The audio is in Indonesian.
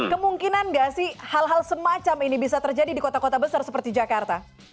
kemungkinan nggak sih hal hal semacam ini bisa terjadi di kota kota besar seperti jakarta